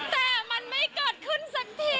แต่มันไม่เกิดขึ้นสักที